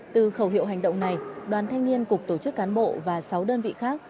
từ khẩu hiệu hành động này đoàn thanh niên cục tổ chức cán bộ và sáu đơn vị khác